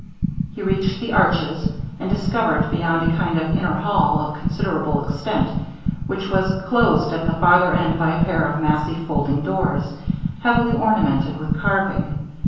He reached the arches, and discovered beyond a kind of inner hall, of considerable extent, which was closed at the farther end by a pair of massy folding doors, heavily ornamented with carving.